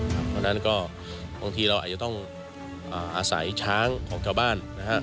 เพราะฉะนั้นก็บางทีเราอาจจะต้องอาศัยช้างของชาวบ้าน